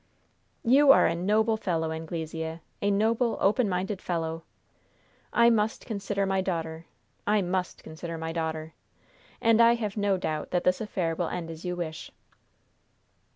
"You are a noble fellow, Anglesea! A noble, open minded fellow! I must consider my daughter. I must consider my daughter! And I have no doubt that this affair will end as you wish."